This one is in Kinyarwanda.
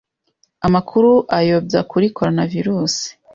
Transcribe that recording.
amakuru ayobya kuri coronavirus